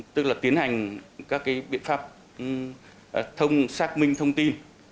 tiến hành các biện pháp xác minh thông tin